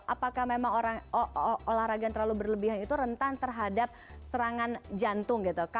apakah memang orang olahraga yang terlalu berlebihan itu rentan terhadap serangan jantung gitu